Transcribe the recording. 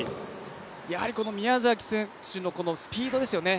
やはりこの宮崎選手のスピードですよね。